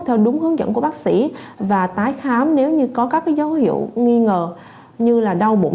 theo đúng hướng dẫn của bác sĩ và tái khám nếu như có các dấu hiệu